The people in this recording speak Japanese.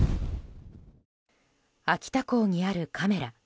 秋田港にあるカメラ。